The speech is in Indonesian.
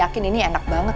mama yakin ini enak banget